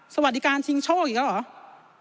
สวัสดีการชิงโชคอีกแล้วเหรอ